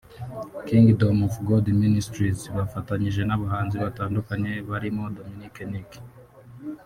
Kingdom of God Ministries yafatanyije n’abahanzi batandukanye barimo Dominic Nic